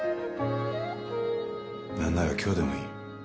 なんなら今日でもいい。